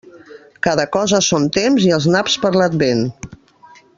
Cada cosa a son temps, i els naps per l'Advent.